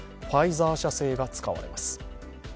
ファイザー社製が使われます。